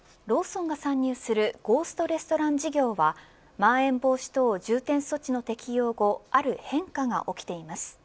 ローソンが参入するゴーストレストラン事業はまん延防止等重点措置の適用後ある変化が起きています。